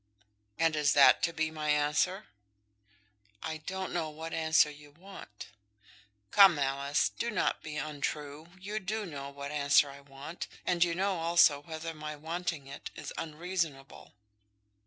"And is that to be my answer?" "I don't know what answer you want." "Come, Alice, do not be untrue; you do know what answer I want, and you know also whether my wanting it is unreasonable."